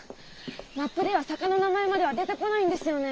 マップでは坂の名前までは出てこないんですよね。